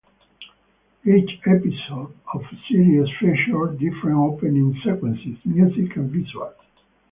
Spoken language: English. Each episode of the series featured different opening sequence music and visuals.